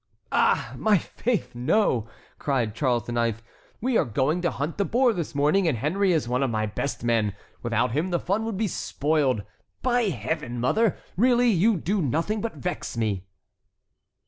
"Ah! my faith, no!" cried Charles IX. "We are going to hunt the boar this morning and Henry is one of my best men. Without him the fun would be spoiled. By Heaven, mother! really, you do nothing but vex me."